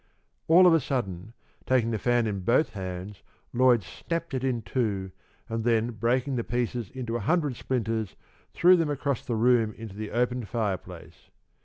All of a sudden, taking the fan in both hands, Lloyd snapped it in two, and then breaking the pieces into a hundred splinters, threw them across the room into the open fireplace.